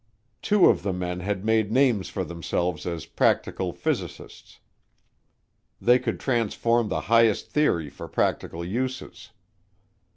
Two of the men had made names for themselves as practical physicists they could transform the highest theory for practical uses.